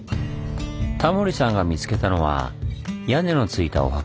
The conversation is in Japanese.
タモリさんが見つけたのは屋根のついたお墓。